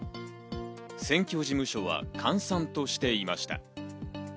選挙事務所は閑散としていました。